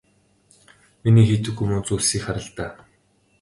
Миний хийдэггүй муу зүйлсийг хар л даа.